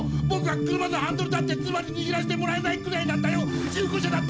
ぼくは車のハンドルだって妻ににぎらせてもらえないくらいなんだよ。